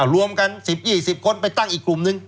รวมกัน๑๐๒๐คนไปตั้งอีกกลุ่มนึง